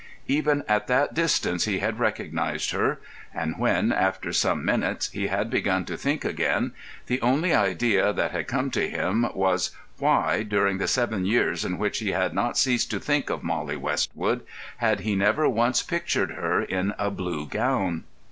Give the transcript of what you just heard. Even at that distance he had recognised her; and when, after some minutes, he had begun to think again, the only idea that had come to him was, why, during the seven years in which he had not ceased to think of Mollie Westwood, had he never once pictured her in a blue gown?